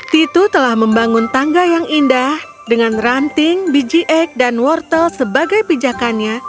titu telah membangun tangga yang indah dengan ranting biji eg dan wortel sebagai pijakannya